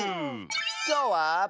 きょうは。